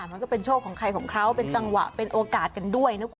มันก็เป็นโชคของใครของเขาเป็นจังหวะเป็นโอกาสกันด้วยนะคุณ